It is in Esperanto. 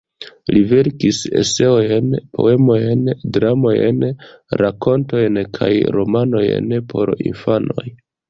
Li verkis eseojn, poemojn, dramojn, rakontojn kaj romanojn por infanoj.